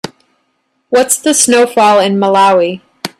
What's the snowfall in Malawi?